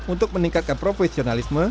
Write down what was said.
untuk meningkatkan profesionalisme